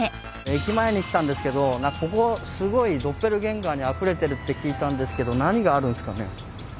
駅前に来たんですけどここすごいドッペルゲンガーにあふれてるって聞いたんですけど何があるんすかね？